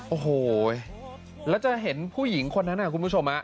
โอ้โหแล้วจะเห็นผู้หญิงคนนั้นคุณผู้ชม